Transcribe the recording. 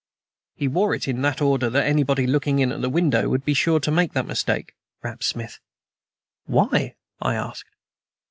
"He wore it in order that anybody looking in at the window would be sure to make that mistake," rapped Smith. "Why?" I asked.